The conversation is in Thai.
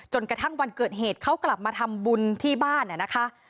กระทั่งวันเกิดเหตุเขากลับมาทำบุญที่บ้านนะคะ